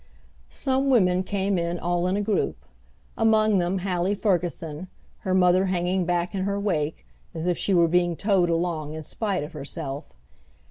Some women came in all in a group, among them Hallie Ferguson, her mother hanging back in her wake, as if she were being towed along in spite of herself.